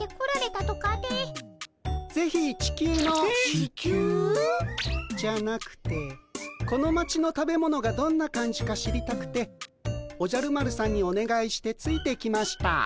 地球？じゃなくてこの町の食べ物がどんな感じか知りたくておじゃる丸さんにおねがいしてついてきました。